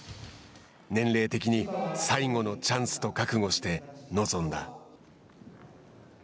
年齢的に最後のチャンスと覚悟して臨んだ。